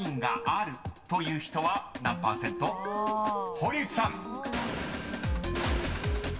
［堀内さん］